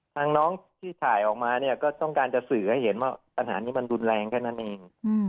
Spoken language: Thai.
น้องที่ถ่ายออกมาเนี่ยก็ต้องการจะสื่อให้เห็นว่าปัญหานี้มันรุนแรงแค่นั้นเอง